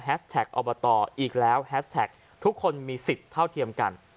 อบตอีกแล้วแฮสแท็กทุกคนมีสิทธิ์เท่าเทียมกัน